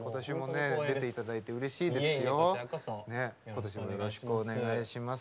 今年もよろしくお願いします。